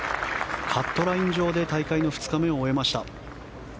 カットライン上で大会の２日目を終えました。